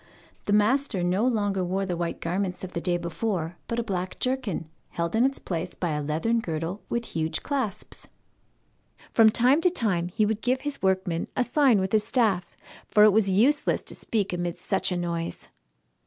The master no longer wore the white garments of the day before, but a black jerkin, held in its place by a leathern girdle with huge clasps. From time to time he would give his workmen a sign with his staff, for it was useless to speak amid such a noise.